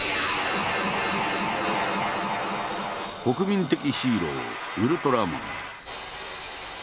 国民的ヒーローウルトラマン。